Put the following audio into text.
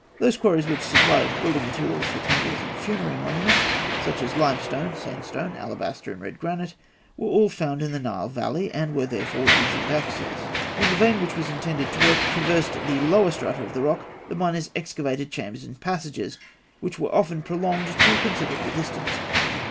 Those quarries which supplied building materials for temples and funerary monuments, such as limestone, sandstone, alabaster, and red granite, were all found in the Nile valley, and were, therefore, easy of access. When the vein which it was intended to work traversed the lower strata of the rock, the miners excavated chambers and passages, which were often prolonged to a considerable distance.